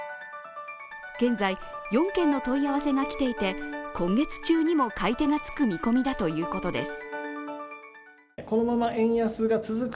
現在、４件の問い合わせが来ていて今月中にも買い手がつく見込みだということです。